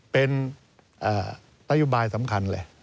เป็นนโยบายสำคัญเลย